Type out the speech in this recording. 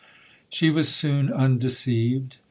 'She was soon undeceived.